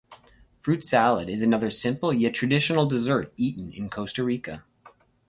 Fruit salad is another simple, yet traditional, dessert eaten in Costa Rica.